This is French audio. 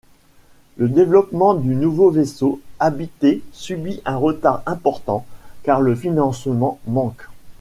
Le développement du nouveau vaisseau habité subit un retard important car le financement manque.